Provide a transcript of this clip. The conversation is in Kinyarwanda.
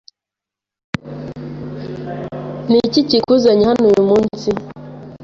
Ni iki kikuzanye hano uyu munsi?